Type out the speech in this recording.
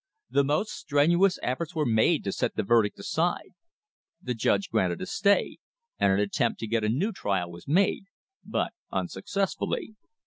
The most strenuous efforts were made to set the verdict aside. The judge granted a stay, and an attempt to get a new trial was made, but unsuccessfully.